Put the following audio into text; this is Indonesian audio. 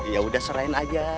yaudah serain aja